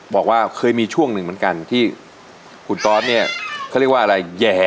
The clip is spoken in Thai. บอกว่าเคยมีช่วงหนึ่งเหมือนกันที่คุณตอสเนี่ยเขาเรียกว่าอะไรแย่